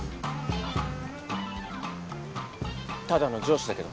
ただの上司だけど。